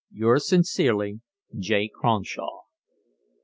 Your sincere J. Cronshaw.